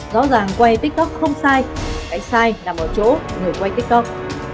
rõ ràng quay tiktok không sai cái sai nằm ở chỗ người quay tiktok